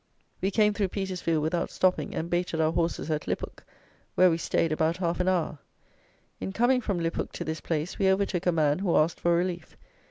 We came through Petersfield without stopping, and baited our horses at Lyphook, where we stayed about half an hour. In coming from Lyphook to this place, we overtook a man who asked for relief.